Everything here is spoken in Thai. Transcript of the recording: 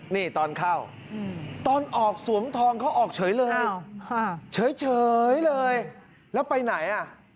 นี่ตอนเข้าตอนออกสวมทองเขาออกเฉยเลยเฉยเลยแล้วไปไหนอ่ะ